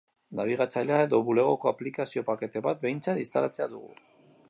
Nabigatzailea eta Bulegoko aplikazio-pakete bat behintzat instalatzea dugu.